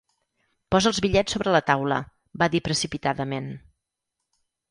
"Posa els bitllets sobre la taula", va dir precipitadament.